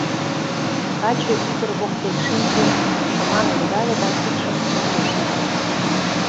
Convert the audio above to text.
Каче ӱдыр воктек шинче, шыман ӧндале да кидшым мӧҥгеш нале.